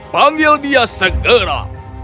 panggil dia segera